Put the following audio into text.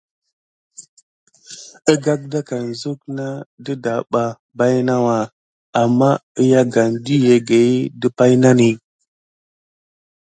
Əgagdakane zuk na dəlbahə ɓa baïnawa, amma əyagane dʼəyagkəhi də paynane.